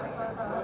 kami tidak akan